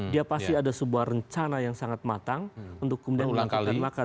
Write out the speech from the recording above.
dia pasti ada sebuah rencana yang sangat matang untuk kemudian melakukan makar